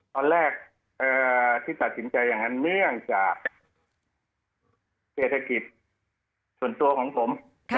ตอนแรกที่ตัดสินใจอย่างนั้นเนื่องจากเศรษฐกิจส่วนตัวของผม